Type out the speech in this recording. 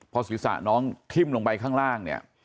พอศีรษะน้องทิ้มลงไปข้างล่างเนี่ย